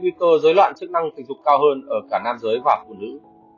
nguy cơ giới loạn chức năng tình dục cao hơn ở cả nam giới và phụ nữ